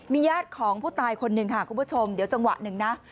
ญาติของผู้ตายคนหนึ่งค่ะคุณผู้ชมเดี๋ยวจังหวะหนึ่งนะ